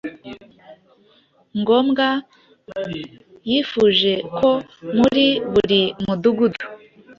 ngombwa. Yifuje ko muri buri mudugudu